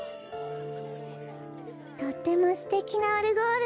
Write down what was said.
とってもすてきなオルゴール。